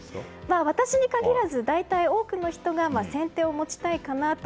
私に限らず大体、多くの人が先手を持ちたいかなと。